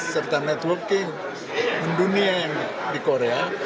serta networking di dunia yang di korea